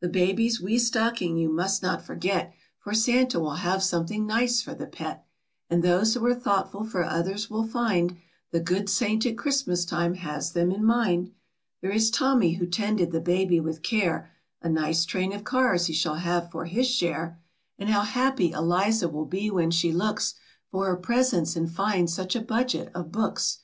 The baby's wee stocking you must not forget, For Santa will have something nice for the pet, And those who are thoughtful for others will find The good saint at Christmas time has them in mind. There is Tommy, who tended the baby with care, A nice train of cars he shall have for his share, 10 WHERE SANTA CLAUS LIVES , AND WHAT HE DOES. And how happy Eliza will be when she looks For her presents, and finds such a budget of books.